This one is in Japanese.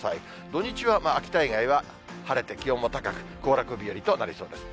土日は秋田以外は晴れて気温も高く、行楽日和となりそうです。